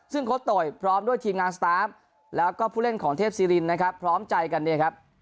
ซึ่งโค้ชโตยพร้อมด้วยทีมงานสตาร์ฟแล้วก็ผู้เล่นของเทพศิรินนะครับพร้อมใจกันเนี่ยครับ